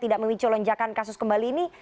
tidak memicu lonjakan kasus kembali ini